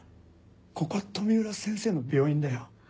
ここは富浦先生の病院だよ。